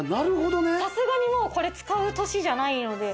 さすがにもうこれ使う年じゃないので。